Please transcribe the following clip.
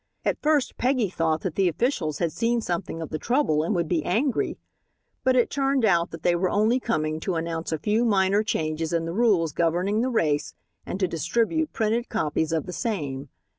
At first Peggy thought that the officials had seen something of the trouble and would be angry. But it turned out that they were only coming to announce a few minor changes in the rules governing the race, and to distribute printed copies of the same.